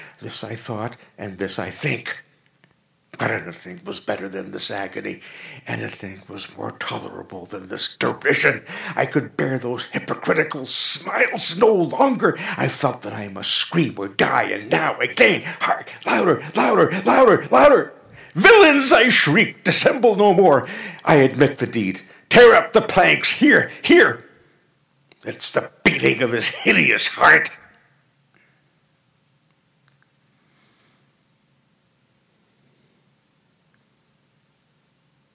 —this I thought, and this I think. But anything was better than this agony! Anything was more tolerable than this derision! I could bear those hypocritical smiles no longer! I felt that I must scream or die! and now—again!—hark! louder! louder! louder! louder! "Villains!" I shrieked, "dissemble no more! I admit the deed!—tear up the planks!—here, here!—It is the beating of his hideous heart!"